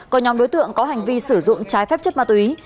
có nhóm đối tượng có hành vi sử dụng trái phép chất ma túy